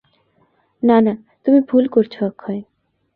না না, তুমি ভুল করছ অক্ষয়!